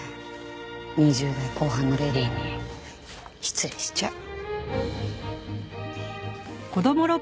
２０代後半のレディーに失礼しちゃう。